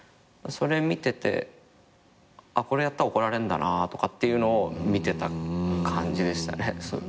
それ見ててこれやったら怒られるんだなっていうのを見てた感じでしたね。